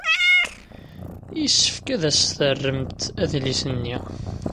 Yessefk ad as-terremt adlis-nni.